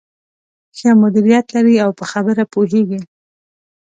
ښه مديريت لري او په خبره پوهېږې.